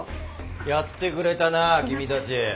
やってくれたな君たち。